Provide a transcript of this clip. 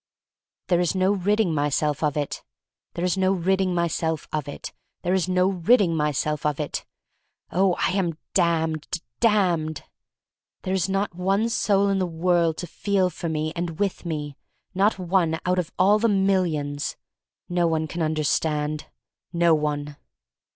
There is no ridding myself of it. There is no ridding myself of it. There is no ridding myself of it. Oh, I am damned — damned! There is not one soul in the world to feel for me and with me — not one out of all the millions. No one can under stand — no one.